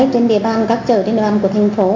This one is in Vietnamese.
trên địa bàn các chợ trên đoàn của thành phố